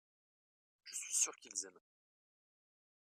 je suis sûr qu'ils aiment.